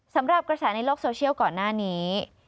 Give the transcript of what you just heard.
สำหรับกระแสในโลกโซเชียลก่อนหน้านี้